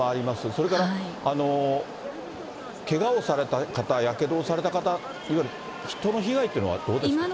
それからけがをされた方、やけどをされた方、いわゆる人の被害というのはどうですか？